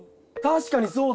確かに！